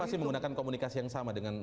masih menggunakan komunikasi yang sama dengan